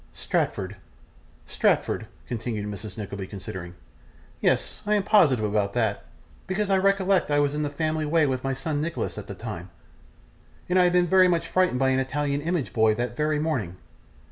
Stratford Stratford,' continued Mrs. Nickleby, considering. 'Yes, I am positive about that, because I recollect I was in the family way with my son Nicholas at the time, and I had been very much frightened by an Italian image boy that very morning.